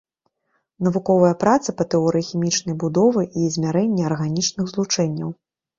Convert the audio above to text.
Навуковыя працы па тэорыі хімічнай будовы і ізамерыі арганічных злучэнняў.